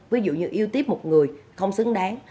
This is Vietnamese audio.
ví dụ như yêu tiếp một người không xứng đáng